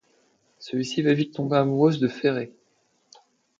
Celle-ci va vite tomber amoureuse de Ferré.